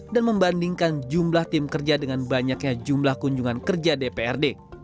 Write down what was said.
dan membandingkan jumlah tim kerja dengan banyaknya jumlah kunjungan kerja dprd